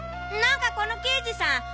何かこの刑事さん